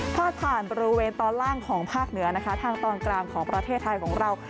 พาดผ่านบริเวณตอนล่างของภาคเหนือนะคะทางตอนกลางของประเทศไทยของเรา